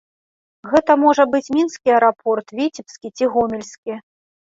Гэта можа быць мінскі аэрапорт, віцебскі ці гомельскі.